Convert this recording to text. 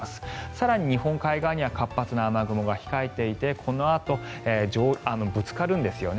更に日本海側には活発な雨雲が控えていてこのあとぶつかるんですよね。